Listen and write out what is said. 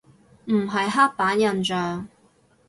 唔係刻板印象